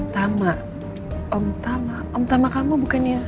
tama om tamah om tamah kamu bukannya